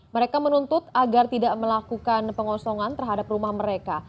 mereka menuntut agar tidak melakukan pengosongan terhadap rumah mereka